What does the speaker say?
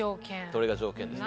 それが条件です。